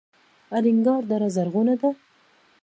الینګار دره زرغونه ده؟